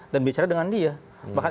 dan bicara dengan dia